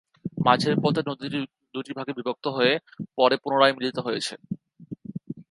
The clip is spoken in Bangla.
মাঝের পথে নদীটি দুটি ভাগে বিভক্ত হয়ে পরে পুনরায় মিলিত হয়েছে।